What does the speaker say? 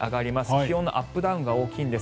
気温のアップダウンが大きいんです。